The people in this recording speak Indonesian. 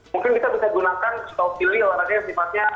mungkin kita bisa gunakan stau sili alatnya sifatnya